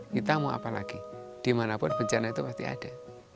kita mau apa lagi dimanapun bencana itu pasti ada